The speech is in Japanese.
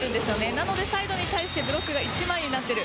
なのでサイドに対してブロックが１枚になっている。